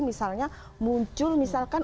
misalnya muncul misalkan